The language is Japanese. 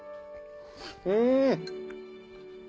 うん！